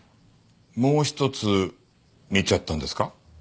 もう一つ見ちゃったんですか？